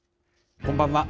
こんばんは。